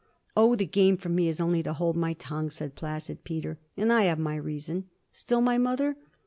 'Oh the game for me is only to hold my tongue,' said placid Peter. 'And I have my reason.' 'Still my mother?'